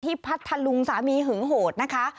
พัทธลุงสามีหึงโหดนะคะ